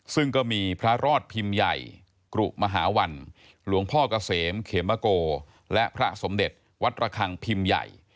ซึ่งก็มีพระรอดพิมพ์ใหญ่กรุมหาวันหลวงพ่อเกษมเขมโกและพระสมเด็จวัดระคังพิมพ์ใหญ่